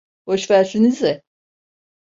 Boş versenize.